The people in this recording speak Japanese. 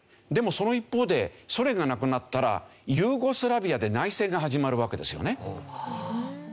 でもその一方でソ連がなくなったらユーゴスラビアで内戦が始まるわけですよね。